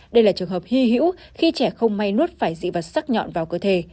đây là trường hợp hy hữu khi trẻ không may nuốt phải dị vật sắc nhọn vào cơ thể